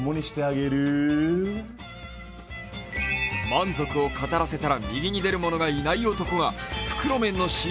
満足を語らせたら右に出る者がいない男は、袋麺のＣＭに。